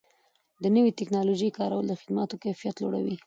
د نوې ټکنالوژۍ کارول د خدماتو کیفیت لوړوي.